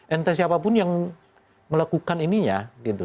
entah siapa pun yang melakukan ininya gitu